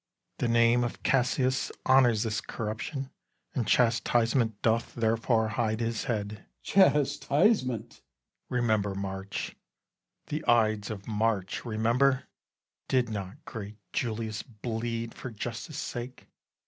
Bru. The name of Cassius honours this corruption, And chastisement doth therefore hide his head. Cas. Chastisement! Bru. Remember March, the ides of March remember: Did not great Julius bleed for justice' sake?